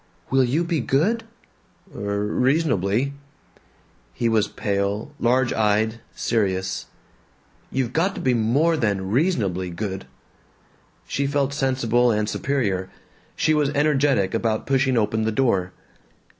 "Will you be good?" "R reasonably!" He was pale, large eyed, serious. "You've got to be more than reasonably good!" She felt sensible and superior; she was energetic about pushing open the door.